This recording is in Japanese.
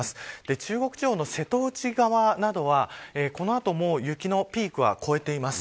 中国地方の瀬戸内側などはこの後も雪のピークは越えています。